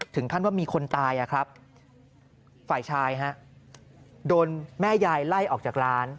ถึงขั้นว่ามีคนตายฝ่ายชายฮะโดนแม่ยายไล่ออกจากร้าน